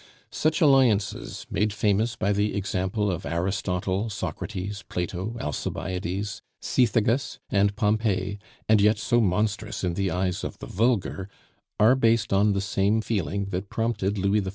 Such alliances, made famous by the example of Aristotle, Socrates, Plato, Alcibiades, Cethegus, and Pompey, and yet so monstrous in the eyes of the vulgar, are based on the same feeling that prompted Louis XIV.